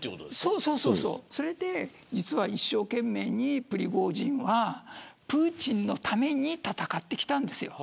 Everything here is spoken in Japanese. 実はそれで一生懸命プリゴジンはプーチンのために戦ってきたんです。